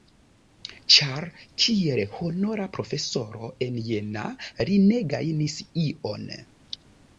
Ĉar kiel honora profesoro en Jena li ne gajnis ion!